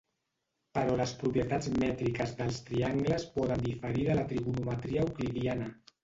Però les propietats mètriques dels triangles poden diferir de la trigonometria euclidiana.